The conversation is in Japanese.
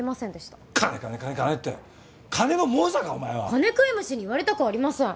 金食い虫に言われたくありません。